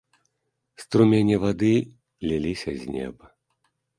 Струмені вады ліліся з неба.